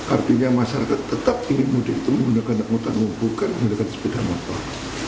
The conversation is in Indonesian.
artinya masyarakat tetap ingin mudik itu menggunakan angkutan umum bukan menggunakan sepeda motor